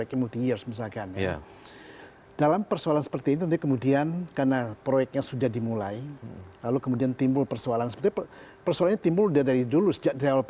ya sah sah saja